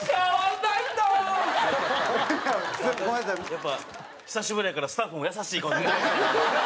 やっぱ久しぶりやからスタッフも優しい顔で見てますよ。